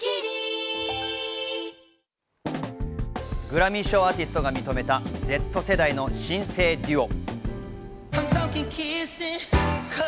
グラミー賞アーティストが認めたＺ世代の新星デュオ。